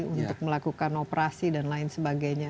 untuk melakukan operasi dan lain sebagainya